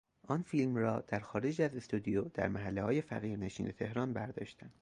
آن فیلم را در خارج از استودیو در محلههای فقیر نشین تهران برداشتند.